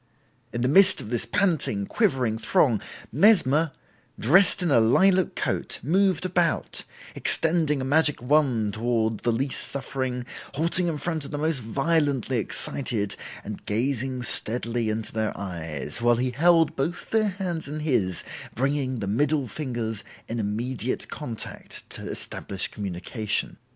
In the midst of this panting, quivering throng, Mesmer, dressed in a lilac coat, moved about, extending a magic wand toward the least suffering, halting in front of the most violently excited and gazing steadily into their eyes, while he held both their hands in his, bringing the middle fingers in immediate contact to establish communication.